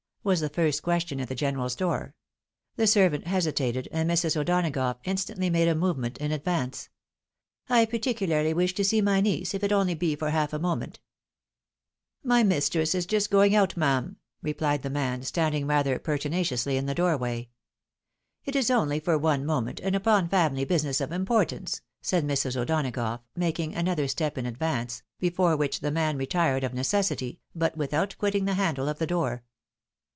was the first question at the general's door. The servant hesitated, and Mrs. O'Donagough instantly made a movement in advance. L 178 THE WIDOW MARRIED. " I particularly wish to see my niece, if it be only for half a moment," said she. " My mistress is just going out, ma'am," i eplied the man, standing rather pertinaciously in the doorway. " It is only for one moment, and upon family business of importance," said Mrs. O'Douagough, maldng another step in advance, before which the man retired of necessity, but without • quitting the handle of the door.